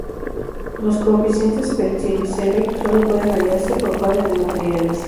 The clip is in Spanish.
Los coeficientes Peltier y Seebeck solo pueden hallarse por pares de materiales.